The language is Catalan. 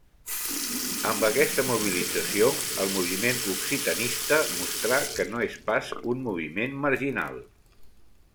Amb aquesta mobilització, el moviment occitanista mostrà que no és pas un moviment marginal.